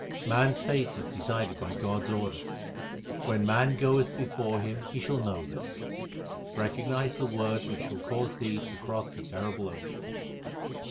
Man s fate is decided by God s order ; when man goeth before Him he shall know this. Recognize the Word which will cause thee to cross the terrible ocean.